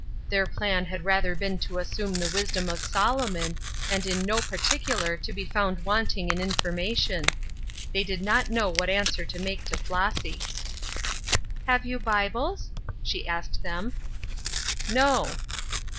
Their plan had rather been to assume the wisdom of Solomon, and in no particular to be found wanting in information. They did not know what answer to make to Flossy. "Have you Bibles?" she asked them. "No."